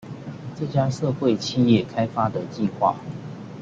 這家社會企業開發的計畫